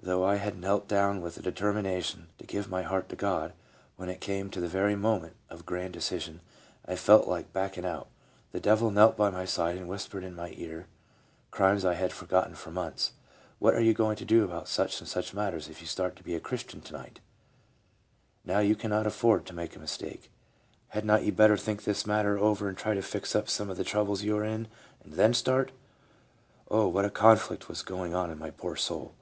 Though I had knelt down with the determination to give my heart to God, when it came to the very moment of grand decision, I felt like backing out. The devil knelt by my side and whispered in my ear crimes I had forgotten for months :' What are you going to do about such and such matters if you start to be a Christian to night f Now you cannot afford to make a mistake ; had not you better think this matter over and try to fix up some of the troubles you are in, and then start V Oh what a conflict was going on in my poor soul!